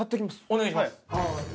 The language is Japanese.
お願いします。